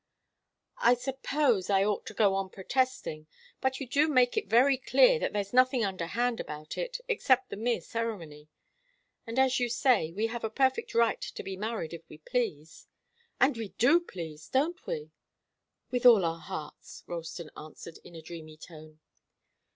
"I suppose I ought to go on protesting, but you do make it very clear that there's nothing underhand about it, except the mere ceremony. And as you say, we have a perfect right to be married if we please." "And we do please don't we?" "With all our hearts," Ralston answered, in a dreamy tone.